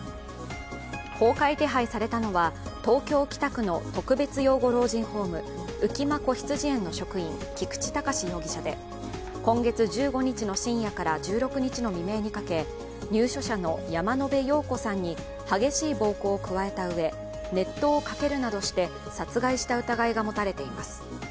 公開手配されたのは、東京・北区の特別養護老人ホーム、浮間こひつじ園の職員、菊池隆容疑者で今月１５日の深夜から１６日の未明にかけて、入所者の山野辺陽子さんに激しい暴行を加えたうえ、熱湯をかけるなどして殺害した疑いが持たれています。